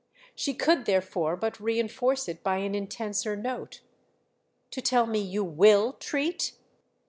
She could therefore but reinforce it by an intenser note. "To tell me you will treat?"